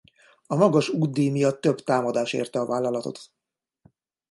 A magas útdíj miatt több támadás érte a vállalatot.